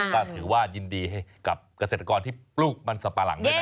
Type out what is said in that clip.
ก็ถือว่ายินดีให้กับเกษตรกรที่ปลูกมันสับปะหลังด้วยนะ